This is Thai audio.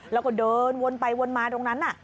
แล้วก็เดินวนไปวนมาตรงนั้น